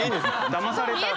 だまされた。